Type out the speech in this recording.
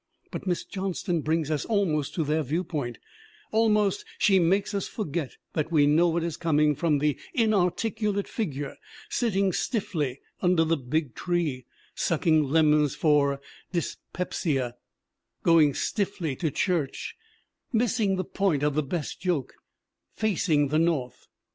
But Miss Johnston brings us almost to their viewpoint ; almost she makes us forget that we know what is coming from the inar ticulate figure sitting stiffly under the big tree, sucking lemons for dyspepsia, going stiffly to church, missing the point of the best joke, facing the North.